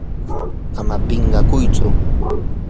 ama pinqakuytsu.